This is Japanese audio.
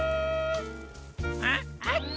あっあった。